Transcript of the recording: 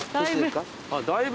だいぶ。